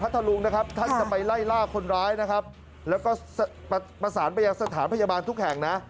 ตอนนี้ก็ยิ่งแล้ว